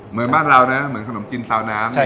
เหมือนบ้านเรานะเหมือนขนมจีนซาวน้ำ